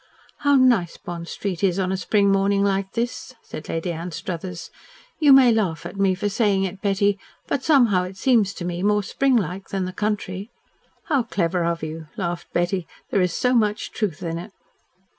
"How nice Bond Street is on a spring morning like this," said Lady Anstruthers. "You may laugh at me for saying it, Betty, but somehow it seems to me more spring like than the country." "How clever of you!" laughed Betty. "There is so much truth in it."